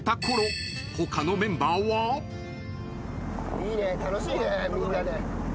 いいね楽しいねみんなで。